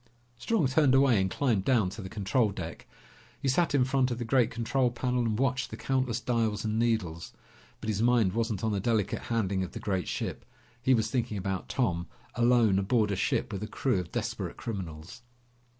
Strong turned away and climbed down to the control deck. He sat in front of the great control panel and watched the countless dials and needles. But his mind wasn't on the delicate handling of the great ship. He was thinking about Tom, alone aboard a ship with a crew of desperate criminals.